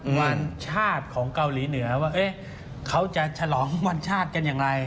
วันชาติของเกาหลีเหนือว่าเขาจะฉลองวันชาติกันอย่างไร